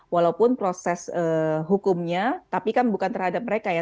walaupun proses hukumnya tapi kan bukan terhadap mereka ya